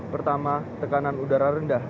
pertama tekanan udara rendah